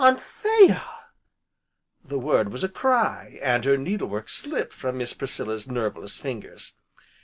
"Anthea!" The word was a cry, and her needle work slipped from Miss Priscilla's nerveless fingers.